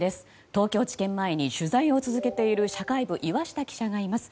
東京地検前に取材を続けている社会部、岩下記者がいます。